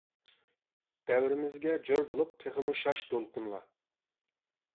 دەۋرىمىزگە جور بولۇپ، تېخىمۇ شاش دولقۇنلا.